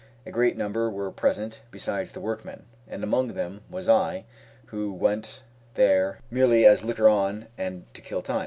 A great number were present besides the workmen, and amongst them was I, who went there merely as looker on and to kill time.